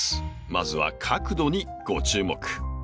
まずは角度にご注目。